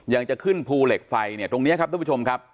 จะขึ้นภูเหล็กไฟเนี่ยตรงนี้ครับทุกผู้ชมครับ